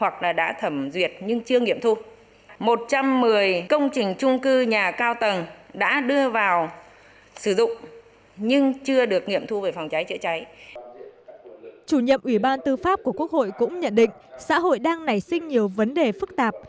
chủ nhập ủy ban tư pháp của quốc hội cũng nhận định xã hội đang nảy sinh nhiều vấn đề phức tạp